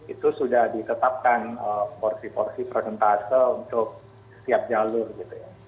itu sudah ditetapkan porsi porsi presentase untuk setiap jalur gitu ya